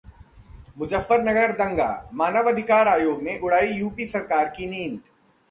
मुजफ्फरनगर दंगा: मानवाधिकार आयोग ने उड़ाई यूपी सरकार की नींद